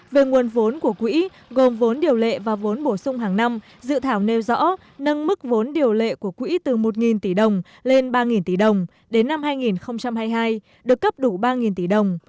về nguồn vốn của quỹ gồm vốn điều lệ và vốn bổ sung hàng năm dự thảo nêu rõ nâng mức vốn điều lệ của quỹ từ một tỷ đồng lên ba tỷ đồng đến năm hai nghìn hai mươi hai được cấp đủ ba tỷ đồng